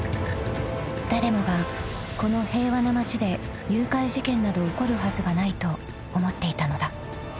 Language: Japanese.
［誰もがこの平和な町で誘拐事件など起こるはずがないと思っていたのだ］